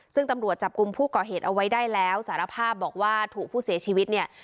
ซึ่งตำรวจจับกลุ่มผู้ก่อเหตุเอาไว้ได้แล้วสารภาพบอกว่าถูกผู้เสียชีวิตเนี่ย